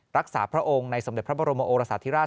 รักษาพระองค์ในสมเด็จพระบรมโอราศาสตร์ธิราช